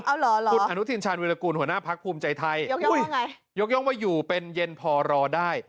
เอาเหรอคุณอนุทินชาญวิรากูลหัวหน้าพักภูมิใจไทยยกย่องว่าอยู่เป็นเย็นพอรอได้